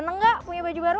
seneng gak punya baju baru